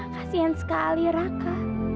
kasian sekali raka